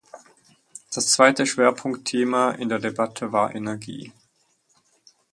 Das zweite Schwerpunktthema in der Debatte war Energie.